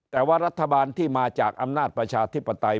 แต่ว่ารัฐบาลที่มาจากอำนาจประชาธิปไตย